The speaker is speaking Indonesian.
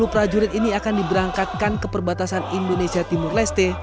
tiga ratus lima puluh prajurit ini akan diberangkatkan ke perbatasan indonesia timur leste